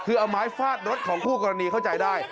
คือเอาไม้ฟาดรถของคู่กรณีเข้าใจได้